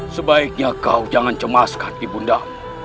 sebaiknya kau jangan cemaskan ibu undamu